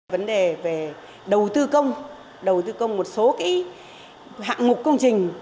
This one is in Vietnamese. vấn đề về đầu tư công đầu tư công một số cái hạng ngục công trình